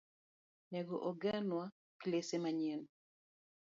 Nego ogernwa klese manyien.